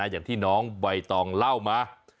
อย่างที่น้องใบตองเล่ามา